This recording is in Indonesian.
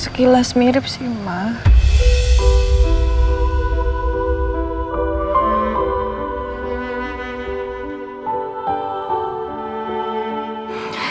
sekilas mirip sih mah